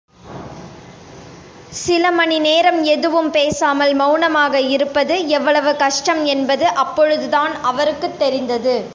சில மணி நேரம் எதுவும் பேசாமல் மெளனமாக இருப்பது எவ்வளவு கஷ்டம் என்பது அப்பொழுதான் அவருக்குத் தெரிந்தது.